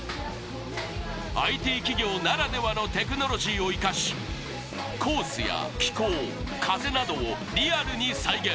ＩＴ企業ならではのテクノロジーを生かし、コースや気候、風などをリアルに再現。